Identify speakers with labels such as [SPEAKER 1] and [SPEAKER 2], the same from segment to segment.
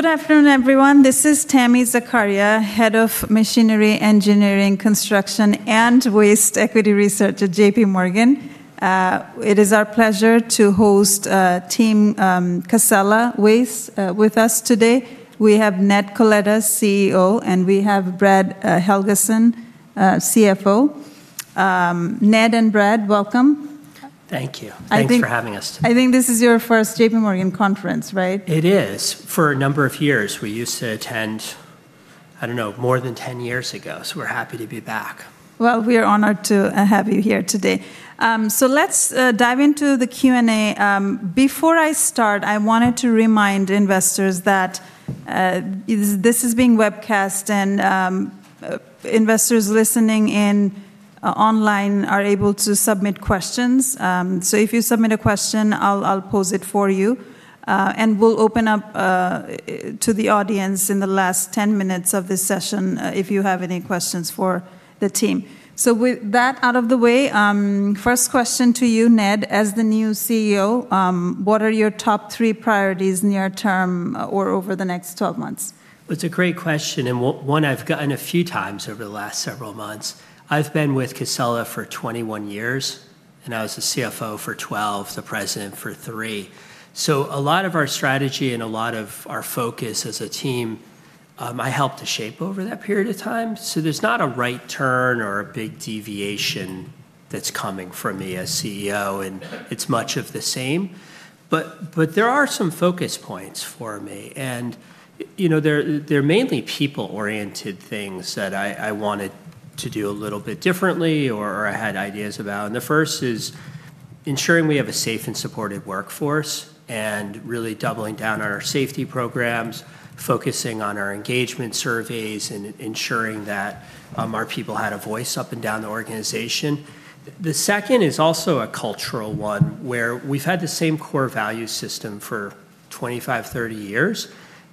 [SPEAKER 1] Good afternoon, everyone. This is Tami Zakaria, Head of Machinery, Engineering, Construction, and Waste Equity Research at J.P. Morgan. It is our pleasure to host Team Casella Waste with us today. We have Ned Coletta, CEO, and we have Brad Helgeson, CFO. Ned and Brad, welcome.
[SPEAKER 2] Thank you.
[SPEAKER 1] I think.
[SPEAKER 2] Thanks for having us.
[SPEAKER 1] I think this is your first J.P. Morgan conference, right?
[SPEAKER 2] It is. For a number of years, we used to attend, I don't know, more than 10 years ago, so we're happy to be back.
[SPEAKER 1] Well, we are honored to have you here today. Let's dive into the Q&A. Before I start, I wanted to remind investors that this is being webcast and investors listening in online are able to submit questions. If you submit a question, I'll pose it for you. We'll open up to the audience in the last 10 minutes of this session, if you have any questions for the team. With that out of the way, first question to you, Ned. As the new CEO, what are your top three priorities near term or over the next 12-months?
[SPEAKER 2] It's a great question, and one I've gotten a few times over the last several months. I've been with Casella for 21 years, and I was the CFO for 12, the president for three. A lot of our strategy and a lot of our focus as a team, I helped to shape over that period of time, so there's not a right turn or a big deviation that's coming from me as CEO, and it's much of the same. There are some focus points for me, and, you know, they're mainly people-oriented things that I wanted to do a little bit differently or I had ideas about. The first is ensuring we have a safe and supportive workforce and really doubling down on our safety programs, focusing on our engagement surveys and ensuring that, our people had a voice up and down the organization. The second is also a cultural one, where we've had the same core value system for 25 years-30 years,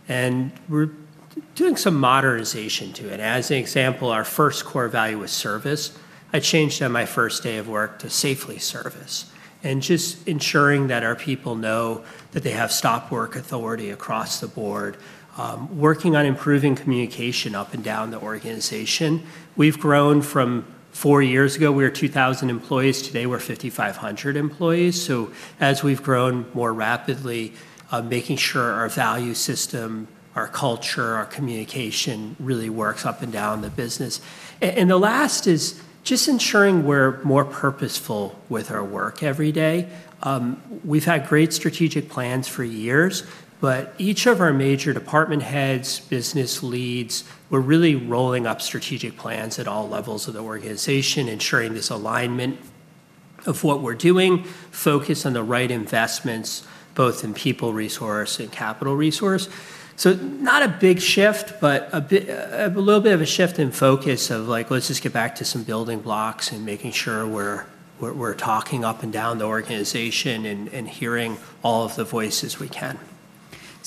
[SPEAKER 2] and we're doing some modernization to it. As an example, our first core value was service. I changed on my first day of work to safely service and just ensuring that our people know that they have Stop Work Authority across the board, working on improving communication up and down the organization. We've grown from four years ago, we were 2,000 employees, today we're 5,500 employees. As we've grown more rapidly, making sure our value system, our culture, our communication really works up and down the business. The last is just ensuring we're more purposeful with our work every day. We've had great strategic plans for years, but each of our major department heads, business leads, we're really rolling up strategic plans at all levels of the organization, ensuring this alignment of what we're doing, focus on the right investments, both in people resource and capital resource. Not a big shift, but a little bit of a shift in focus of like, let's just get back to some building blocks and making sure we're talking up and down the organization and hearing all of the voices we can.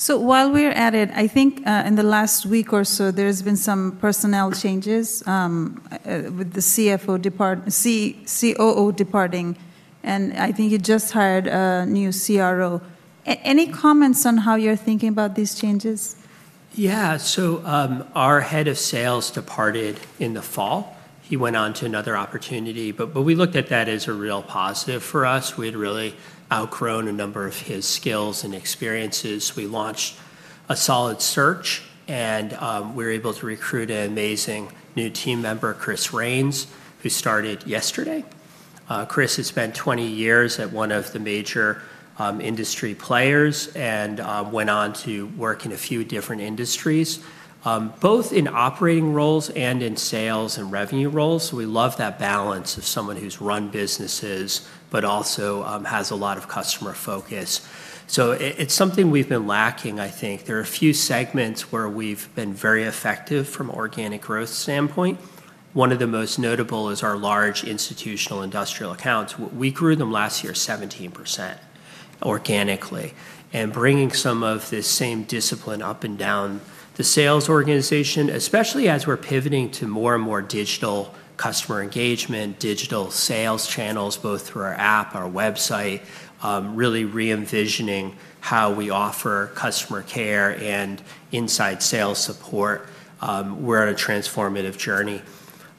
[SPEAKER 1] While we're at it, I think in the last week or so, there's been some personnel changes with the COO departing, and I think you just hired a new CRO. Any comments on how you're thinking about these changes?
[SPEAKER 2] Yeah. Our head of sales departed in the fall. He went on to another opportunity, but we looked at that as a real positive for us. We'd really outgrown a number of his skills and experiences. We launched a solid search and we were able to recruit an amazing new team member, Chris Rains, who started yesterday. Chris has spent 20 years at one of the major industry players and went on to work in a few different industries, both in operating roles and in sales and revenue roles. So we love that balance of someone who's run businesses but also has a lot of customer focus. So it's something we've been lacking, I think. There are a few segments where we've been very effective from organic growth standpoint. One of the most notable is our large institutional industrial accounts. We grew them last year 17% organically and bringing some of this same discipline up and down the sales organization, especially as we're pivoting to more and more digital customer engagement, digital sales channels, both through our app, our website, really re-envisioning how we offer customer care and inside sales support. We're on a transformative journey.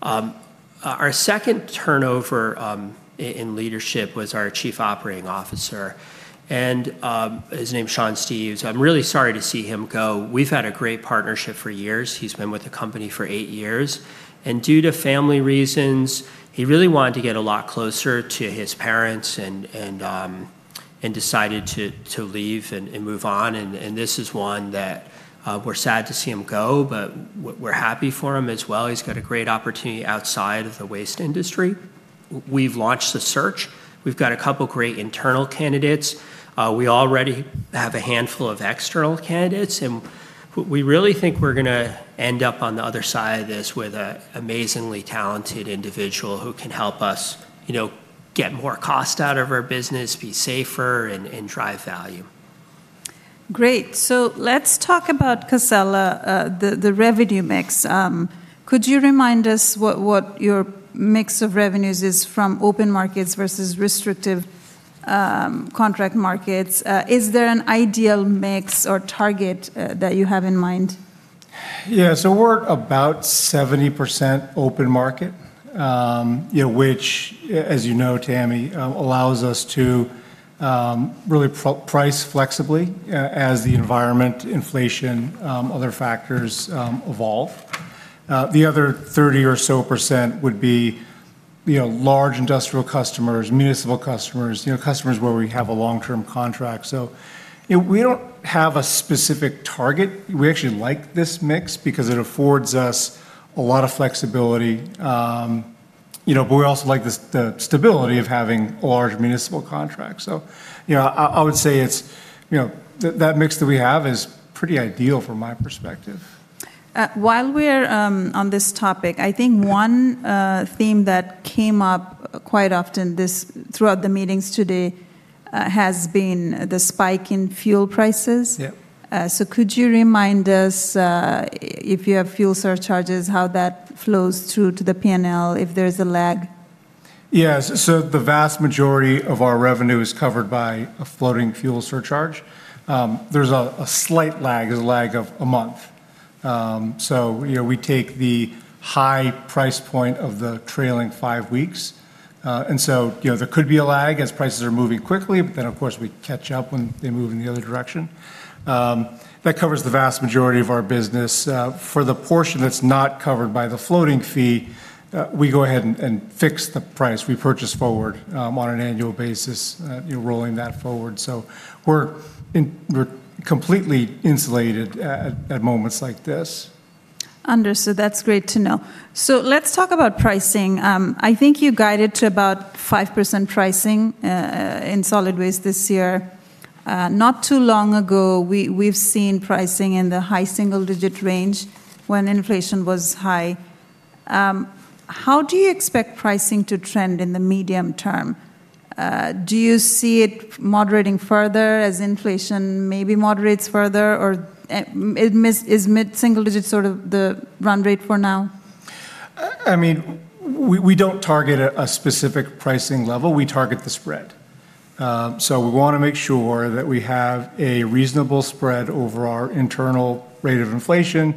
[SPEAKER 2] Our second turnover in leadership was our Chief Operating Officer and his name's Sean M. Steves. I'm really sorry to see him go. We've had a great partnership for years. He's been with the company for eight years. Due to family reasons, he really wanted to get a lot closer to his parents and decided to leave and move on. This is one that we're sad to see him go, but we're happy for him as well. He's got a great opportunity outside of the waste industry. We've launched the search. We've got a couple great internal candidates. We already have a handful of external candidates, and we really think we're gonna end up on the other side of this with a amazingly talented individual who can help us, you know, get more cost out of our business, be safer, and drive value.
[SPEAKER 1] Great. Let's talk about Casella, the revenue mix. Could you remind us what your mix of revenues is from open markets versus restricted contract markets? Is there an ideal mix or target that you have in mind?
[SPEAKER 3] Yeah. We're about 70% open market, you know, which as you know, Tami, allows us to really price flexibly as the environment, inflation, other factors, evolve. The other 30% or so would be, you know, large industrial customers, municipal customers, you know, customers where we have a long-term contract. You know, we don't have a specific target. We actually like this mix because it affords us a lot of flexibility. You know, but we also like the stability of having large municipal contracts. You know, I would say it's, you know, that mix that we have is pretty ideal from my perspective.
[SPEAKER 1] While we're on this topic.
[SPEAKER 3] Mm
[SPEAKER 1] I think one theme that came up quite often throughout the meetings today has been the spike in fuel prices.
[SPEAKER 3] Yeah.
[SPEAKER 1] Could you remind us if you have fuel surcharges, how that flows through to the P&L, if there's a lag?
[SPEAKER 3] Yeah. The vast majority of our revenue is covered by a floating fuel surcharge. There's a slight lag. There's a lag of a month. You know, we take the high price point of the trailing five weeks. You know, there could be a lag as prices are moving quickly, but then, of course, we catch up when they move in the other direction. That covers the vast majority of our business. For the portion that's not covered by the floating fee, we go ahead and fix the price. We purchase forward on an annual basis, you know, rolling that forward. We're completely insulated at moments like this.
[SPEAKER 1] Understood. That's great to know. Let's talk about pricing. I think you guided to about 5% pricing in solid waste this year. Not too long ago, we've seen pricing in the high single-digit% range when inflation was high. How do you expect pricing to trend in the medium term? Do you see it moderating further as inflation maybe moderates further? Or is mid-single-digit% sort of the run rate for now?
[SPEAKER 3] I mean, we don't target a specific pricing level, we target the spread. So we wanna make sure that we have a reasonable spread over our internal rate of inflation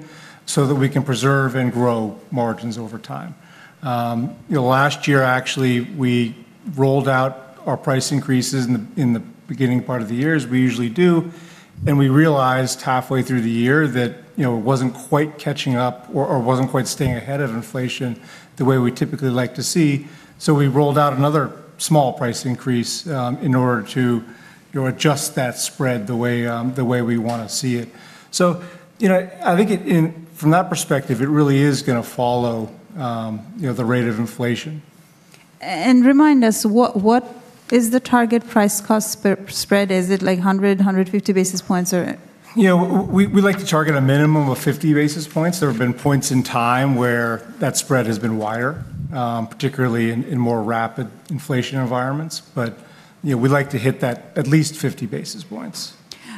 [SPEAKER 3] so that we can preserve and grow margins over time. You know, last year actually, we rolled out our price increases in the beginning part of the year, as we usually do, and we realized halfway through the year that, you know, it wasn't quite catching up or wasn't quite staying ahead of inflation the way we typically like to see, so we rolled out another small price increase in order to, you know, adjust that spread the way we wanna see it. You know, I think it and from that perspective, it really is gonna follow, you know, the rate of inflation.
[SPEAKER 1] Remind us, what is the target price-cost spread? Is it like 150 basis points or
[SPEAKER 3] You know, we like to target a minimum of 50 basis points. There have been points in time where that spread has been wider, particularly in more rapid inflation environments. You know, we like to hit that at least 50 basis points.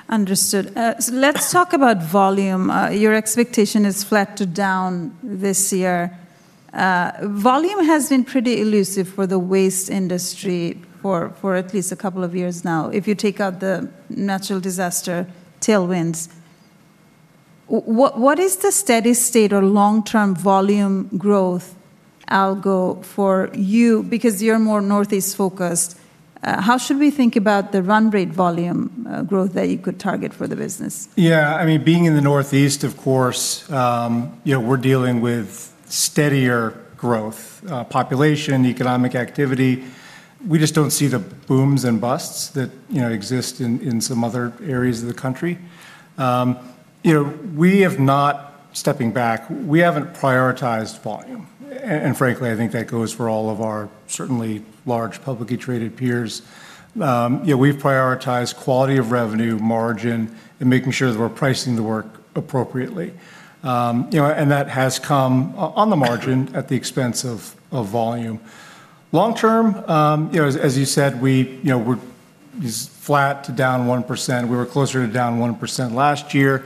[SPEAKER 1] Understood. Let's talk about volume. Your expectation is flat to down this year. Volume has been pretty elusive for the waste industry for at least a couple of years now, if you take out the natural disaster tailwinds. What is the steady state or long-term volume growth algo for you? Because you're more Northeast-focused, how should we think about the run rate volume growth that you could target for the business?
[SPEAKER 3] Yeah. I mean, being in the Northeast, of course, you know, we're dealing with steadier growth, population, economic activity. We just don't see the booms and busts that, you know, exist in some other areas of the country. You know, we have not, stepping back, we haven't prioritized volume and frankly, I think that goes for all of our certainly large publicly traded peers. You know, we've prioritized quality of revenue margin and making sure that we're pricing the work appropriately. You know, and that has come on the margin at the expense of volume. Long term, you know, as you said, we, you know, we're just flat to down 1%. We were closer to down 1% last year.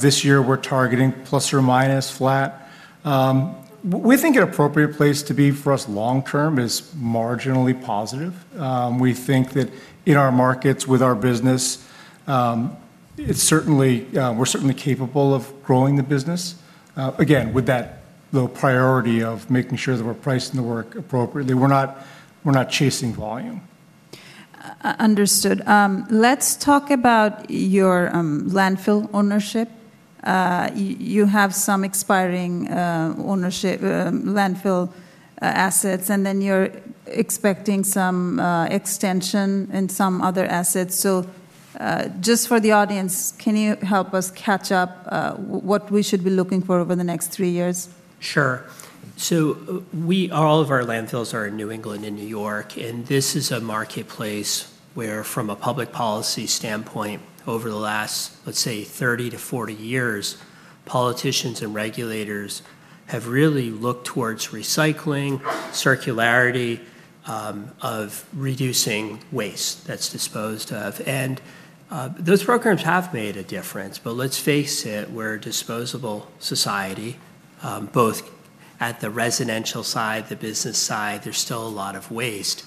[SPEAKER 3] This year, we're targeting plus or minus flat. We think an appropriate place to be for us long term is marginally positive. We think that in our markets with our business, it's certainly, we're certainly capable of growing the business, again, with that low priority of making sure that we're pricing the work appropriately. We're not chasing volume.
[SPEAKER 1] Understood. Let's talk about your landfill ownership. You have some expiring ownership landfill assets, and then you're expecting some extension in some other assets. Just for the audience, can you help us catch up what we should be looking for over the next three years?
[SPEAKER 2] Sure. We, all of our landfills are in New England and New York, and this is a marketplace where from a public policy standpoint over the last, let's say, 30 years-40 years, politicians and regulators have really looked towards recycling, circularity, of reducing waste that's disposed of. Those programs have made a difference. Let's face it, we're a disposable society, both at the residential side, the business side, there's still a lot of waste.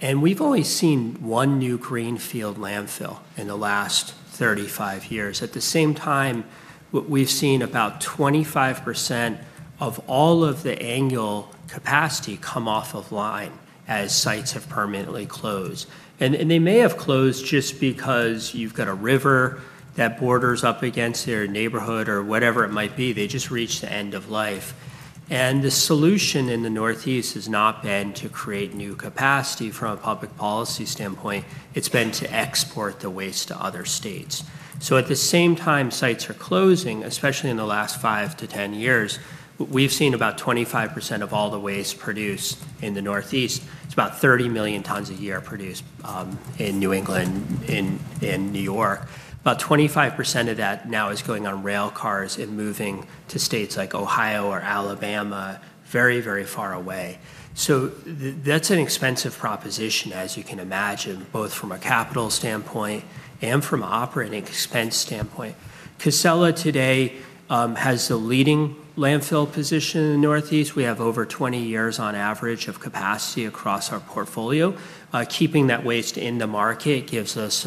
[SPEAKER 2] We've only seen one new greenfield landfill in the last 35 years. At the same time, what we've seen about 25% of all of the annual capacity come off of line as sites have permanently closed. They may have closed just because you've got a river that borders up against their neighborhood or whatever it might be. They just reached the end of life. The solution in the Northeast has not been to create new capacity from a public policy standpoint; it's been to export the waste to other states. At the same time sites are closing, especially in the last 5 years-10 years, we've seen about 25% of all the waste produced in the Northeast. It's about 30 million tons a year produced in New England and in New York. About 25% of that now is going on rail cars and moving to states like Ohio or Alabama very, very far away. That's an expensive proposition as you can imagine, both from a capital standpoint and from operating expense standpoint. Casella today has the leading landfill position in the Northeast. We have over 20 years on average of capacity across our portfolio. Keeping that waste in the market gives us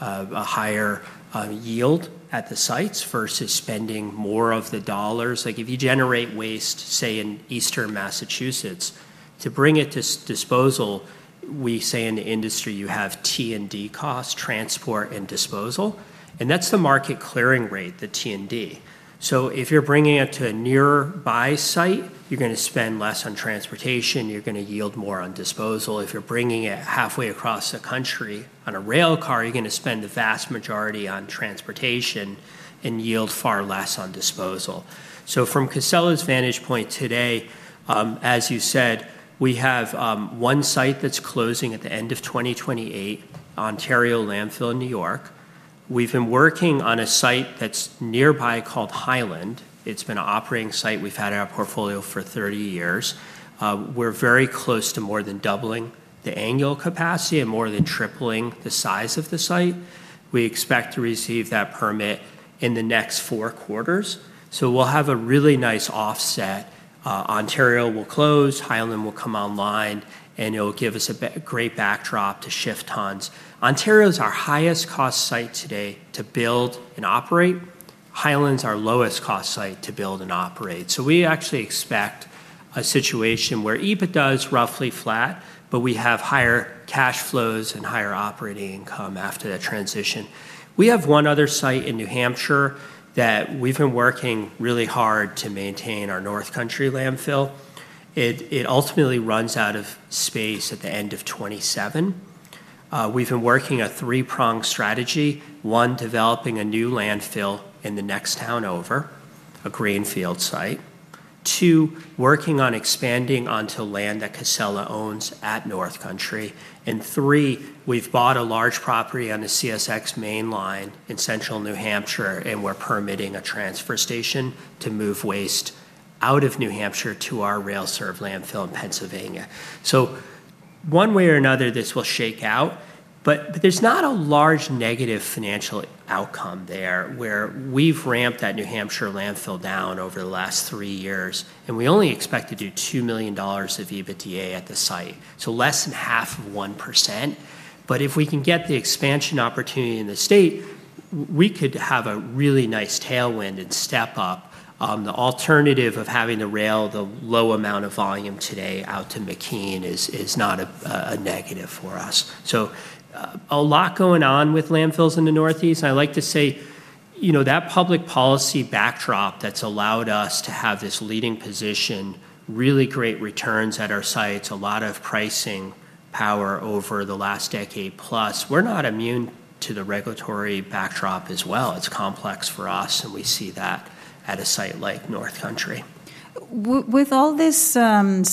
[SPEAKER 2] a higher yield at the sites versus spending more of the dollars. Like, if you generate waste, say, in Eastern Massachusetts, to bring it to a disposal, we say in the industry you have T&D costs, transport and disposal, and that's the market clearing rate, the T&D. If you're bringing it to a nearby site, you're gonna spend less on transportation, you're gonna yield more on disposal. If you're bringing it halfway across the country on a rail car, you're gonna spend the vast majority on transportation and yield far less on disposal. From Casella's vantage point today, as you said, we have one site that's closing at the end of 2028, Ontario Landfill in New York. We've been working on a site that's nearby called Hyland. It's been an operating site we've had in our portfolio for 30 years. We're very close to more than doubling the annual capacity and more than tripling the size of the site. We expect to receive that permit in the next four quarters. We'll have a really nice offset. Ontario will close, Hyland will come online, and it'll give us a great backdrop to shift tons. Ontario's our highest cost site today to build and operate. Hyland's our lowest cost site to build and operate. We actually expect a situation where EBITDA is roughly flat, but we have higher cash flows and higher operating income after that transition. We have one other site in New Hampshire that we've been working really hard to maintain our North Country landfill. It ultimately runs out of space at the end of 2027. We've been working a three-pronged strategy. One, developing a new landfill in the next town over, a greenfield site. Two, working on expanding onto land that Casella owns at North Country. Three, we've bought a large property on the CSX mainline in central New Hampshire, and we're permitting a transfer station to move waste out of New Hampshire to our rail-served landfill in Pennsylvania. One way or another, this will shake out, but there's not a large negative financial outcome there where we've ramped that New Hampshire landfill down over the last three years, and we only expect to do $2 million of EBITDA at the site, so less than half of 1%. If we can get the expansion opportunity in the state, we could have a really nice tailwind and step up. The alternative of having to rail the low amount of volume today out to McKean is not a negative for us. A lot going on with landfills in the Northeast, and I like to say, you know, that public policy backdrop that's allowed us to have this leading position, really great returns at our sites, a lot of pricing power over the last decade plus, we're not immune to the regulatory backdrop as well. It's complex for us, and we see that at a site like North Country.
[SPEAKER 1] With all this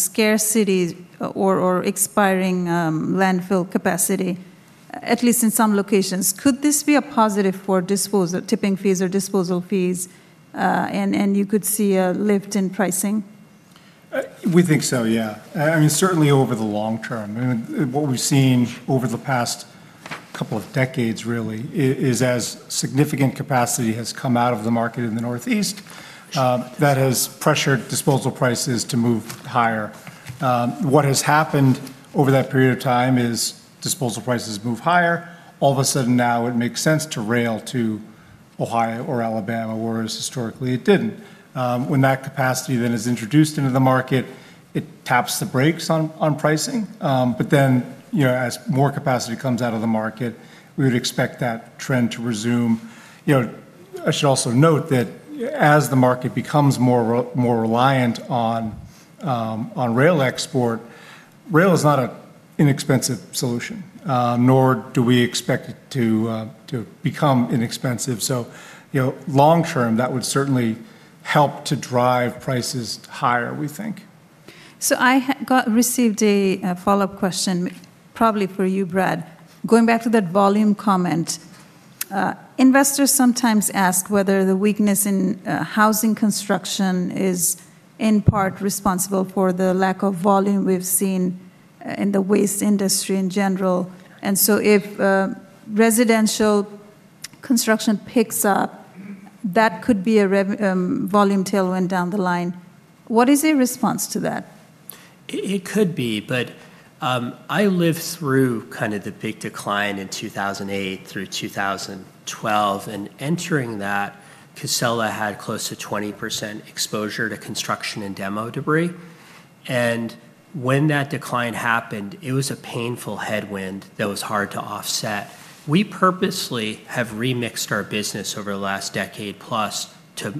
[SPEAKER 1] scarcity or expiring landfill capacity, at least in some locations, could this be a positive for disposal tipping fees or disposal fees, and you could see a lift in pricing?
[SPEAKER 3] We think so, yeah. I mean, certainly over the long term. I mean, what we've seen over the past couple of decades really is as significant capacity has come out of the market in the Northeast, that has pressured disposal prices to move higher. What has happened over that period of time is disposal prices move higher. All of a sudden now it makes sense to rail to Ohio or Alabama, whereas historically it didn't. When that capacity then is introduced into the market, it taps the brakes on pricing. You know, as more capacity comes out of the market, we would expect that trend to resume. You know, I should also note that as the market becomes more reliant on rail export, rail is not an inexpensive solution, nor do we expect it to become inexpensive. You know, long term, that would certainly help to drive prices higher, we think.
[SPEAKER 1] I received a follow-up question probably for you, Brad. Going back to that volume comment, investors sometimes ask whether the weakness in housing construction is in part responsible for the lack of volume we've seen in the waste industry in general. If residential construction picks up, that could be a volume tailwind down the line. What is your response to that?
[SPEAKER 2] It could be, but I lived through kind of the big decline in 2008 through 2012, and entering that, Casella had close to 20% exposure to construction and demolition debris. When that decline happened, it was a painful headwind that was hard to offset. We purposely have remixed our business over the last decade plus to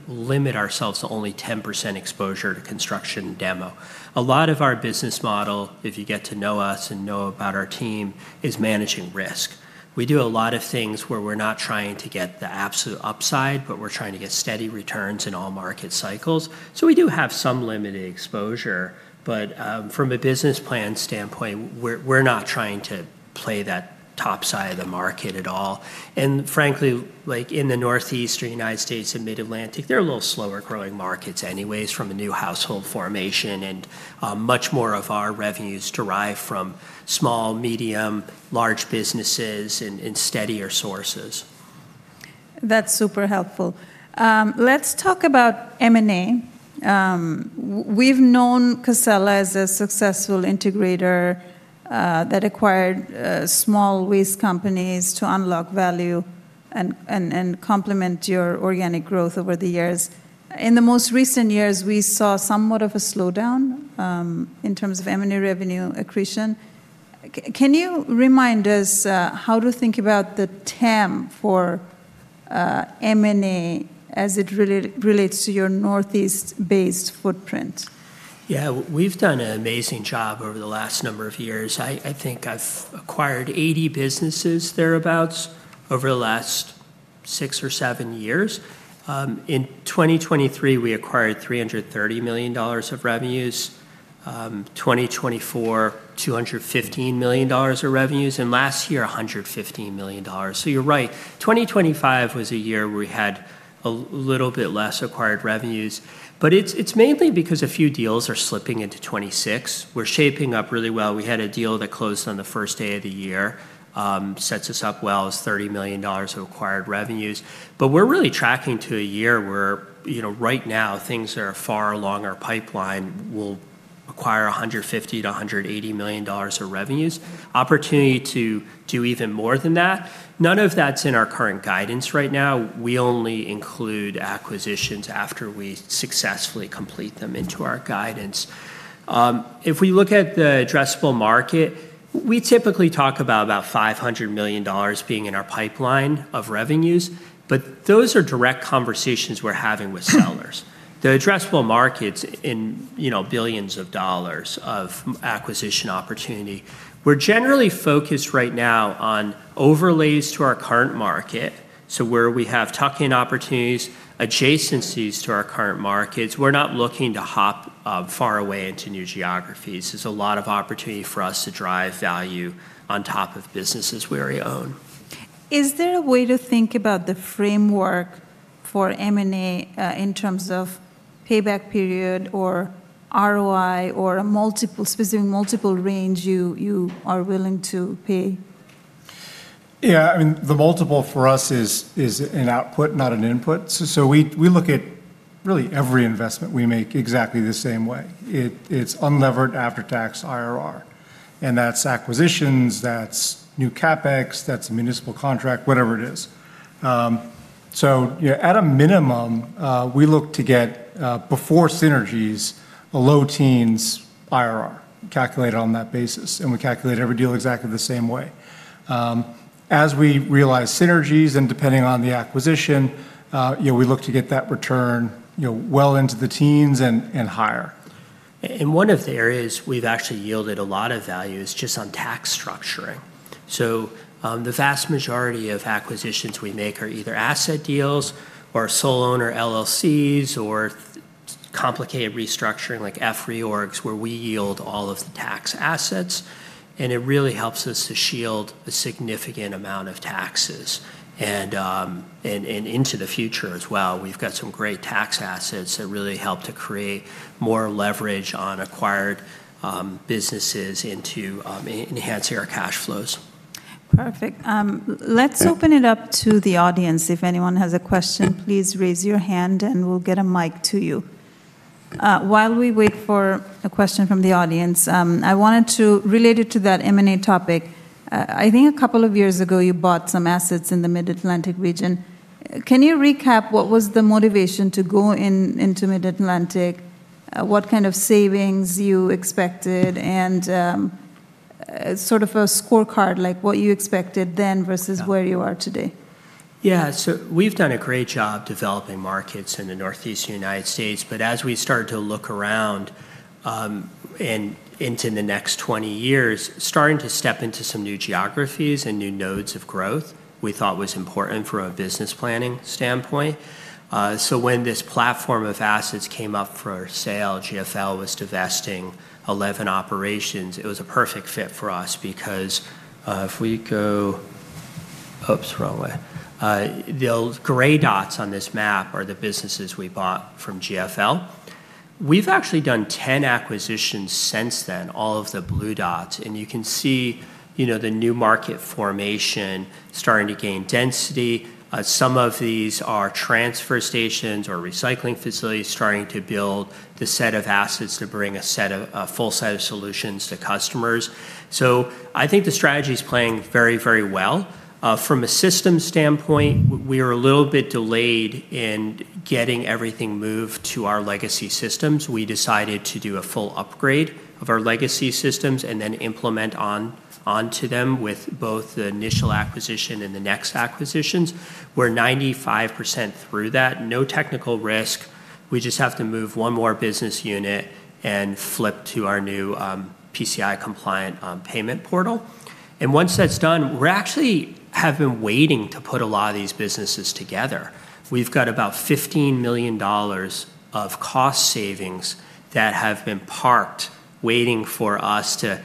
[SPEAKER 2] limit ourselves to only 10% exposure to construction and demo. A lot of our business model, if you get to know us and know about our team, is managing risk. We do a lot of things where we're not trying to get the absolute upside, but we're trying to get steady returns in all market cycles. We do have some limited exposure, but from a business plan standpoint, we're not trying to play that top side of the market at all. Frankly, like in the Northeastern United States and Mid-Atlantic, they're a little slower growing markets anyways from a new household formation, and much more of our revenue is derived from small, medium, large businesses and steadier sources.
[SPEAKER 1] That's super helpful. Let's talk about M&A. We've known Casella as a successful integrator that acquired small waste companies to unlock value and complement your organic growth over the years. In the most recent years, we saw somewhat of a slowdown in terms of M&A revenue accretion. Can you remind us how to think about the TAM for M&A as it relates to your Northeast-based footprint?
[SPEAKER 2] Yeah. We've done an amazing job over the last number of years. I think I've acquired 80 businesses, thereabouts, over the last six or seven years. In 2023, we acquired $330 million of revenues, 2024, $215 million of revenues, and last year, $115 million. You're right, 2025 was a year where we had a little bit less acquired revenues, but it's mainly because a few deals are slipping into 2026. We're shaping up really well. We had a deal that closed on the first day of the year, sets us up well as $30 million of acquired revenues. We're really tracking to a year where, you know, right now things are far along our pipeline. We'll acquire $150 million-$180 million of revenues. Opportunity to do even more than that. None of that's in our current guidance right now. We only include acquisitions after we successfully complete them into our guidance. If we look at the addressable market, we typically talk about $500 million being in our pipeline of revenues, but those are direct conversations we're having with sellers. The addressable market's in, you know, billions of dollars of acquisition opportunity. We're generally focused right now on overlays to our current market, so where we have tuck-in opportunities, adjacencies to our current markets. We're not looking to hop far away into new geographies. There's a lot of opportunity for us to drive value on top of businesses we already own.
[SPEAKER 1] Is there a way to think about the framework for M&A in terms of payback period or ROI or a multiple, specific multiple range you are willing to pay?
[SPEAKER 3] Yeah. I mean, the multiple for us is an output, not an input. We look at really every investment we make exactly the same way. It's unlevered after-tax IRR, and that's acquisitions, that's new CapEx, that's municipal contract, whatever it is. You know, at a minimum, we look to get before synergies, a low teens IRR calculated on that basis, and we calculate every deal exactly the same way. As we realize synergies and depending on the acquisition, you know, we look to get that return, you know, well into the teens and higher.
[SPEAKER 2] One of the areas we've actually yielded a lot of value is just on tax structuring. The vast majority of acquisitions we make are either asset deals or sole owner LLCs or complicated restructuring like F reorganization, where we yield all of the tax assets, and it really helps us to shield a significant amount of taxes. And into the future as well, we've got some great tax assets that really help to create more leverage on acquired businesses and to enhance our cash flows.
[SPEAKER 1] Perfect. Let's
[SPEAKER 3] Yeah
[SPEAKER 1] Open it up to the audience. If anyone has a question, please raise your hand, and we'll get a mic to you. While we wait for a question from the audience, related to that M&A topic, I think a couple of years ago you bought some assets in the Mid-Atlantic region. Can you recap what was the motivation to go in, into Mid-Atlantic, what kind of savings you expected, and sort of a scorecard, like what you expected then versus where you are today?
[SPEAKER 2] Yeah. We've done a great job developing markets in the Northeast United States, but as we started to look around, and into the next 20 years, starting to step into some new geographies and new nodes of growth, we thought was important from a business planning standpoint. When this platform of assets came up for sale, GFL was divesting 11 operations, it was a perfect fit for us because the gray dots on this map are the businesses we bought from GFL. We've actually done 10 acquisitions since then, all of the blue dots, and you can see, you know, the new market formation starting to gain density. Some of these are transfer stations or recycling facilities starting to build the set of assets to bring a set of, a full set of solutions to customers. I think the strategy is playing very, very well. From a systems standpoint, we are a little bit delayed in getting everything moved to our legacy systems. We decided to do a full upgrade of our legacy systems and then implement on, onto them with both the initial acquisition and the next acquisitions. We're 95% through that. No technical risk. We just have to move one more business unit and flip to our new PCI compliant payment portal. Once that's done, we actually have been waiting to put a lot of these businesses together. We've got about $15 million of cost savings that have been parked waiting for us to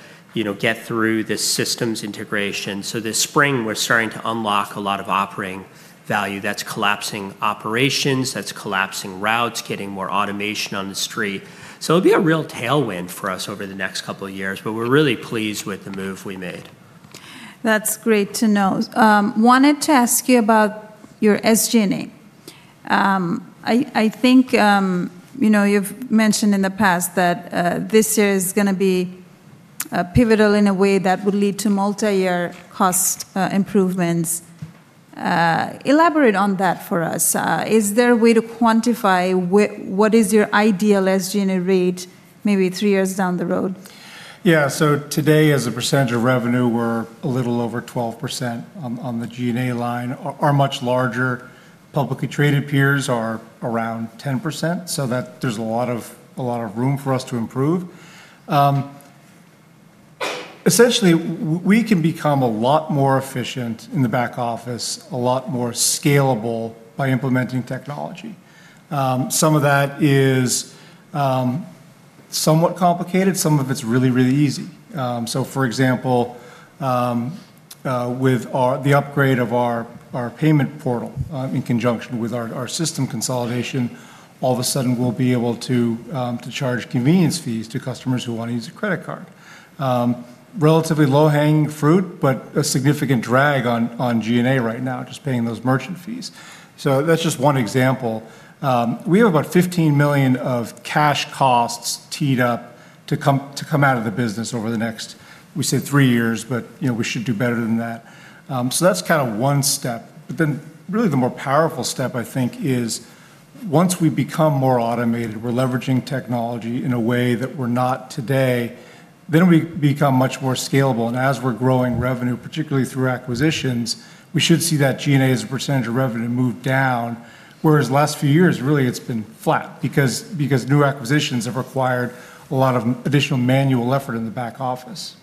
[SPEAKER 2] get through the systems integration. This spring, we're starting to unlock a lot of operating value that's collapsing operations, that's collapsing routes, getting more automation on the street. It'll be a real tailwind for us over the next couple of years, but we're really pleased with the move we made.
[SPEAKER 1] That's great to know. Wanted to ask you about your SG&A. I think, you know, you've mentioned in the past that this year is gonna be pivotal in a way that would lead to multi-year cost improvements. Elaborate on that for us. Is there a way to quantify what is your ideal SG&A rate maybe three years down the road?
[SPEAKER 3] Yeah. Today, as a percentage of revenue, we're a little over 12% on the G&A line. Our much larger publicly traded peers are around 10%, so there's a lot of room for us to improve. Essentially, we can become a lot more efficient in the back office, a lot more scalable by implementing technology. Some of that is somewhat complicated, some of it's really easy. For example, with the upgrade of our payment portal, in conjunction with our system consolidation, all of a sudden we'll be able to charge convenience fees to customers who wanna use a credit card. Relatively low-hanging fruit, but a significant drag on G&A right now, just paying those merchant fees. That's just one example. We have about $15 million of cash costs teed up to come out of the business over the next, we say three years, but, you know, we should do better than that. That's kinda one step. Then really the more powerful step, I think, is once we become more automated, we're leveraging technology in a way that we're not today, then we become much more scalable. As we're growing revenue, particularly through acquisitions, we should see that G&A as a percentage of revenue move down, whereas last few years, really, it's been flat because new acquisitions have required a lot of additional manual effort in the back office.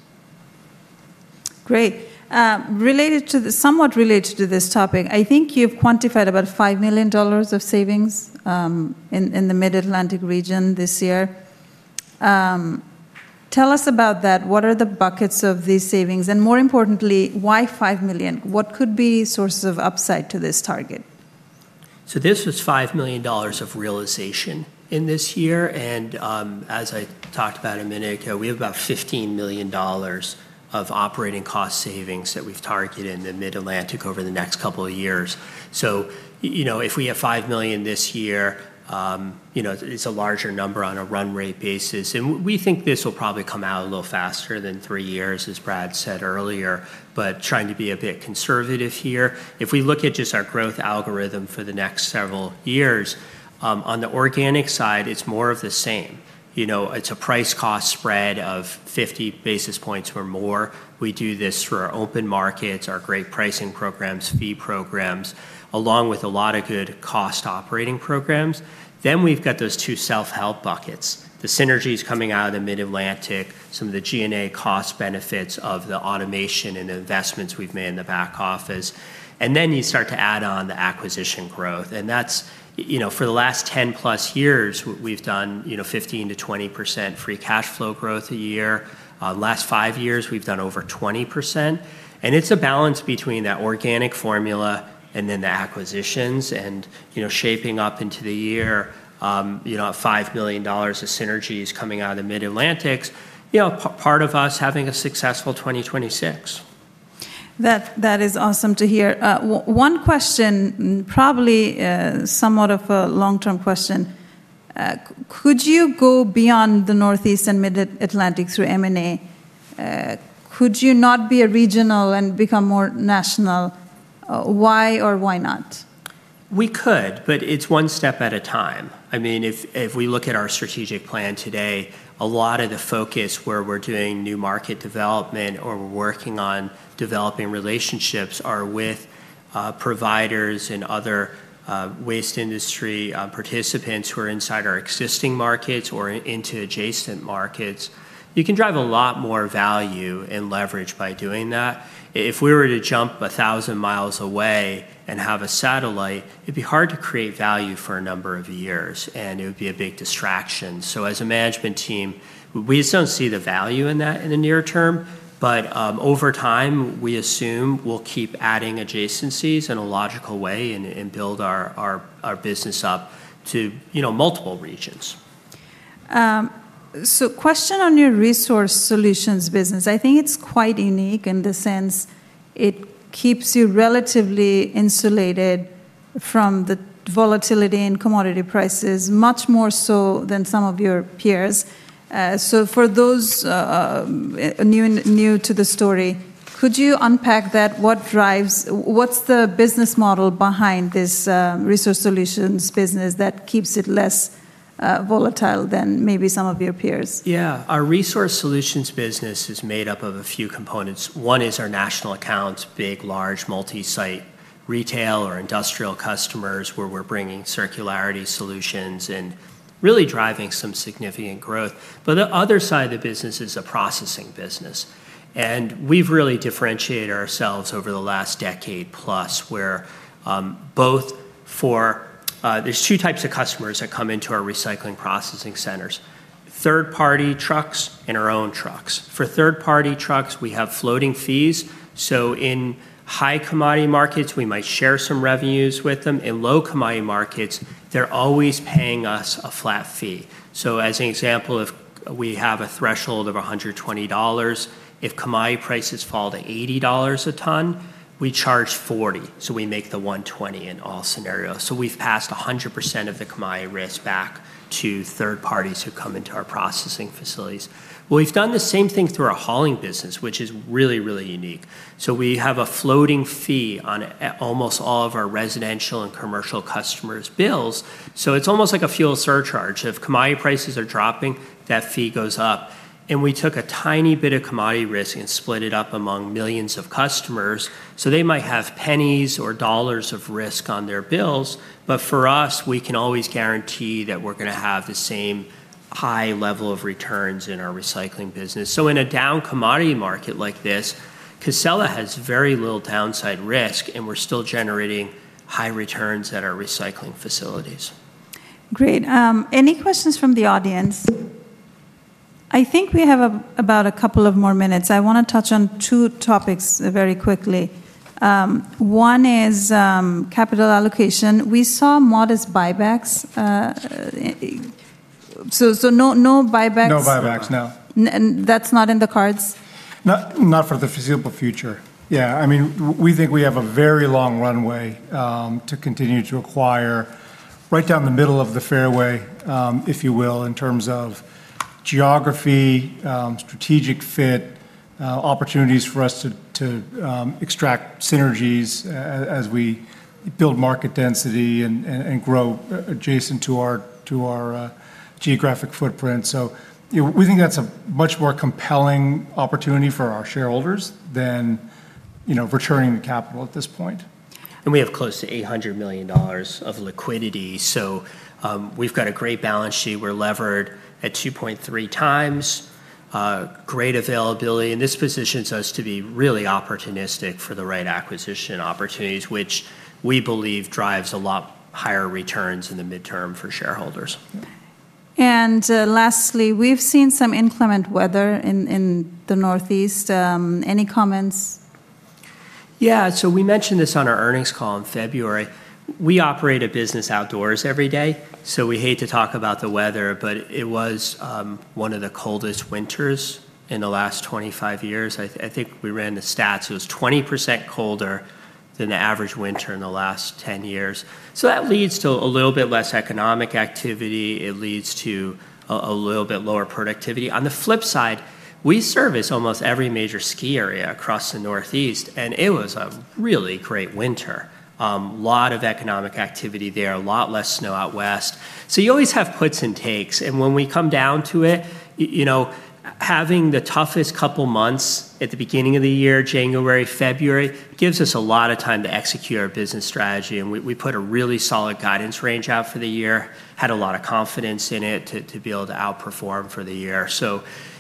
[SPEAKER 1] Great. Somewhat related to this topic, I think you've quantified about $5 million of savings in the Mid-Atlantic region this year. Tell us about that. What are the buckets of these savings? More importantly, why $5 million? What could be sources of upside to this target?
[SPEAKER 2] This was $5 million of realization in this year. As I talked about a minute ago, we have about $15 million of operating cost savings that we've targeted in the Mid-Atlantic over the next couple of years. You know, if we have $5 million this year, you know, it's a larger number on a run rate basis. We think this will probably come out a little faster than three years, as Brad said earlier. Trying to be a bit conservative here. If we look at just our growth algorithm for the next several years, on the organic side, it's more of the same. You know, it's a price-cost spread of 50 basis points or more. We do this through our open markets, our great pricing programs, fee programs, along with a lot of good cost operating programs. We've got those two self-help buckets, the synergies coming out of the Mid-Atlantic, some of the G&A cost benefits of the automation and investments we've made in the back office. You start to add on the acquisition growth. That's, you know, for the last 10+ years, we've done, you know, 15%-20% free cash flow growth a year. Last five years, we've done over 20%. It's a balance between that organic formula and then the acquisitions and, you know, shaping up into the year, you know, $5 million of synergies coming out of Mid-Atlantic, you know, part of us having a successful 2026.
[SPEAKER 1] That is awesome to hear. One question, probably, somewhat of a long-term question. Could you go beyond the Northeast and Mid-Atlantic through M&A? Could you not be a regional and become more national? Why or why not?
[SPEAKER 2] We could, but it's one step at a time. I mean, if we look at our strategic plan today, a lot of the focus where we're doing new market development or we're working on developing relationships are with providers and other waste industry participants who are inside our existing markets or into adjacent markets. You can drive a lot more value and leverage by doing that. If we were to jump 1,000 miles away and have a satellite, it'd be hard to create value for a number of years, and it would be a big distraction. So as a management team, we just don't see the value in that in the near term. Over time, we assume we'll keep adding adjacencies in a logical way and build our business up to, you know, multiple regions.
[SPEAKER 1] Question on your Resource Solutions business. I think it's quite unique in the sense it keeps you relatively insulated from the volatility in commodity prices, much more so than some of your peers. For those new to the story, could you unpack that? What's the business model behind this Resource Solutions business that keeps it less volatile than maybe some of your peers?
[SPEAKER 2] Yeah. Our Resource Solutions business is made up of a few components. One is our national accounts, big, large, multi-site retail or industrial customers where we're bringing circularity solutions and really driving some significant growth. The other side of the business is a processing business, and we've really differentiated ourselves over the last decade plus where both for there's two types of customers that come into our recycling processing centers, third-party trucks and our own trucks. For third-party trucks, we have floating fees, so in high commodity markets, we might share some revenues with them. In low commodity markets, they're always paying us a flat fee. As an example, if we have a threshold of $120, if commodity prices fall to $80 a ton, we charge $40, so we make the $120 in all scenarios. We've passed 100% of the commodity risk back to third parties who come into our processing facilities. Well, we've done the same thing through our hauling business, which is really, really unique. We have a floating fee on almost all of our residential and commercial customers' bills, so it's almost like a fuel surcharge. If commodity prices are dropping, that fee goes up. We took a tiny bit of commodity risk and split it up among millions of customers, so they might have pennies or dollars of risk on their bills, but for us, we can always guarantee that we're gonna have the same high level of returns in our recycling business. In a down commodity market like this, Casella has very little downside risk, and we're still generating high returns at our recycling facilities.
[SPEAKER 1] Great. Any questions from the audience? I think we have about a couple of more minutes. I wanna touch on two topics very quickly. One is capital allocation. We saw modest buybacks, so no buybacks.
[SPEAKER 3] No buybacks, no.
[SPEAKER 1] That's not in the cards?
[SPEAKER 3] Not for the foreseeable future. Yeah. I mean, we think we have a very long runway to continue to acquire right down the middle of the fairway, if you will, in terms of geography, strategic fit, opportunities for us to extract synergies as we build market density and grow adjacent to our geographic footprint. You know, we think that's a much more compelling opportunity for our shareholders than returning the capital at this point.
[SPEAKER 2] We have close to $800 million of liquidity, so, we've got a great balance sheet. We're levered at 2.3x, great availability, and this positions us to be really opportunistic for the right acquisition opportunities, which we believe drives a lot higher returns in the midterm for shareholders.
[SPEAKER 1] Lastly, we've seen some inclement weather in the Northeast. Any comments?
[SPEAKER 2] Yeah. We mentioned this on our earnings call in February. We operate a business outdoors every day, so we hate to talk about the weather, but it was one of the coldest winters in the last 25 years. I think we ran the stats. It was 20% colder than the average winter in the last 10 years. That leads to a little bit less economic activity. It leads to a little bit lower productivity. On the flip side, we service almost every major ski area across the Northeast, and it was a really great winter. Lot of economic activity there, a lot less snow out West. You always have puts and takes, and when we come down to it, you know, having the toughest couple months at the beginning of the year, January, February, gives us a lot of time to execute our business strategy, and we put a really solid guidance range out for the year, had a lot of confidence in it to be able to outperform for the year.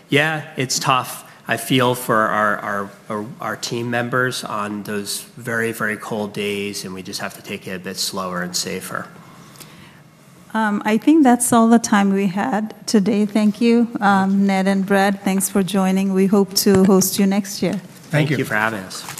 [SPEAKER 2] Yeah, it's tough. I feel for our team members on those very cold days, and we just have to take it a bit slower and safer.
[SPEAKER 1] I think that's all the time we had today. Thank you.
[SPEAKER 2] Thank you.
[SPEAKER 1] Ned and Brad, thanks for joining. We hope to host you next year.
[SPEAKER 3] Thank you.
[SPEAKER 2] Thank you for having us.